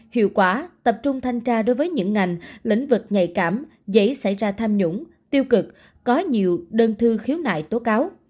hiệu quả tập trung thanh tra đối với những ngành lĩnh vực nhạy cảm dễ xảy ra tham nhũng tiêu cực có nhiều đơn thư khiếu nại tố cáo